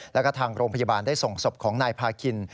แล้วก็ทางโรงพยาบาลได้ส่งศพของนายพาคิน